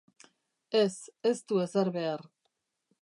Ez, ez du ezer behar.